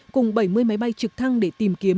cùng bảy mươi máy bay trực thăng để tìm kiếm